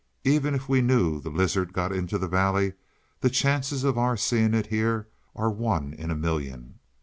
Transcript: "Even if we knew the lizard got into the valley the chances of our seeing it here are one in a million.